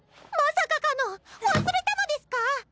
まさかかのん忘れたのですか